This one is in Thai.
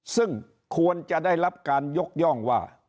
ซึ่งควรจะได้รับการยกย่องว่า